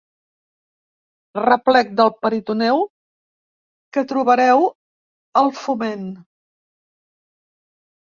Replec del peritoneu que trobareu al Foment.